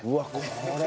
これ。